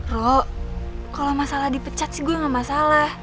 rok kalau masalah dipecat saya tidak masalah